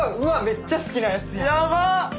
めっちゃ好きなやつや！